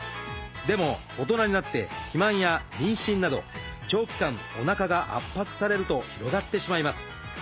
でも大人になって肥満や妊娠など長期間おなかが圧迫されると広がってしまいます。